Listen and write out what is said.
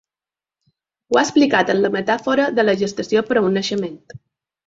Ho ha explicat amb la metàfora de la gestació per a un naixement.